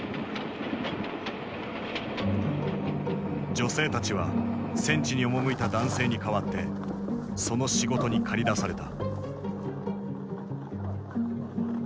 女性たちは戦地に赴いた男性に代わってその仕事に駆り出された。